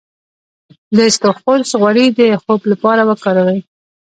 د اسطوخودوس غوړي د خوب لپاره وکاروئ